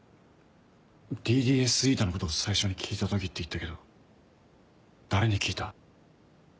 ＤＤＳηのことを最初に聞いた時って言ったけど誰に聞いた？